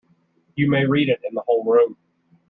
You may read it in the whole room.